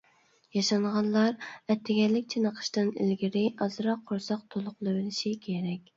ياشانغانلار ئەتىگەنلىك چېنىقىشتىن ئىلگىرى ئازراق قورساق تولۇقلىۋېلىشى كېرەك.